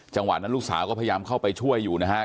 จังหวะนั้นลูกสาวก็พยายามเข้าไปช่วยอยู่นะครับ